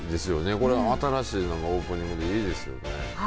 これは新しいオープニングでいいですよね。